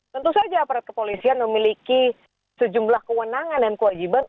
tentu saja aparat kepolisian memiliki sejumlah kewenangan dan kewajiban